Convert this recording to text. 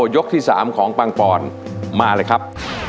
ยกที่๓ของปังปอนมาเลยครับ